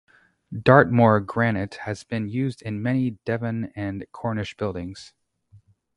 Dartmoor granite has been used in many Devon and Cornish buildings.